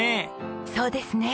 そうですね。